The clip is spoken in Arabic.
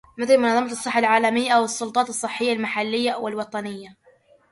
مثل منظمة الصحة العالمية أو السلطات الصحية المحلية والوطنية